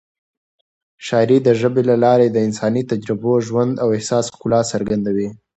شاعري د ژبې له لارې د انساني تجربو، ژوند او احساس ښکلا څرګندوي.